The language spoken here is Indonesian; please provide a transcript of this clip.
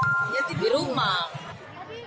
tidur di rumah